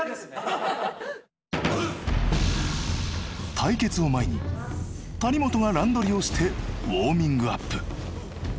対決を前に谷本が乱取りをしてウォーミングアップ。